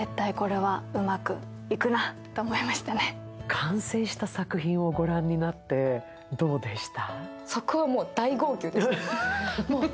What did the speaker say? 完成した作品を御覧になってどうでした？